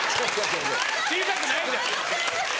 小さくないじゃん。